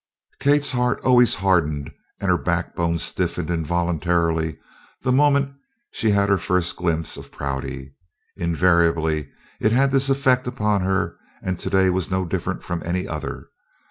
Kate's heart always hardened and her backbone stiffened involuntarily the moment she had her first glimpse of Prouty. Invariably it had this effect upon her and to day was no different from any other.